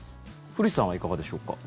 古市さんはいかがでしょうか。